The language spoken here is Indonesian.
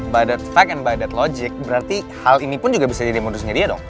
by the fact and by the logic berarti hal ini pun juga bisa jadi modusnya dia dong